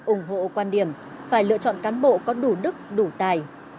ủng hộ quan điểm phải lựa chọn cán bộ có đủ đức đủ tài